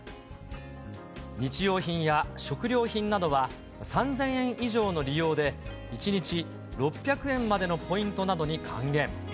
日用品や食料品などは、３０００円以上の利用で、１日６００円までのポイントなどに還元。